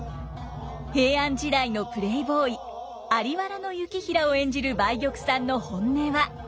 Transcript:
平安時代のプレーボーイ在原行平を演じる梅玉さんの本音は。